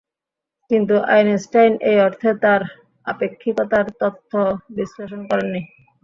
কিন্তু আইনস্টাইন এই অর্থে তাঁর আপেক্ষিকতার তত্ত্ব বিশ্লেষণ করেননি।